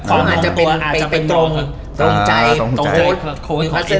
อาจจะเป็นตรงใจประเซนท์๕